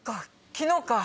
昨日か。